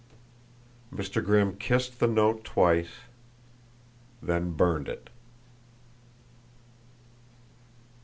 Mr. Grimm kissed the note twice, then burned it.